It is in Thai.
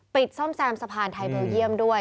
ซ่อมแซมสะพานไทยเบลเยี่ยมด้วย